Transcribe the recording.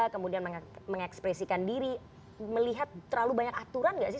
kemudian mengekspresikan diri melihat terlalu banyak aturan nggak sih